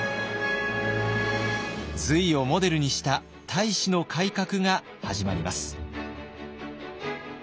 隋をモデルにした太子の改革が始まります。